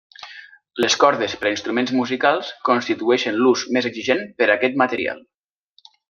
Les cordes per a instruments musicals constitueixen l'ús més exigent per a aquest material.